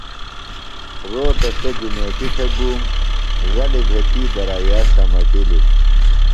روتہ سوۡ جُمیتیۡ تھےۡ گُوم۔ غلیۡ بھےۡ تی درائِیا سمٹِلِم۔